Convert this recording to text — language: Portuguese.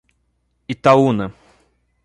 Itaúna